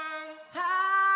はい！